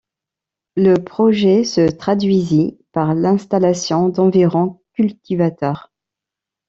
Le projet se traduisit par l'installation d'environ cultivateurs.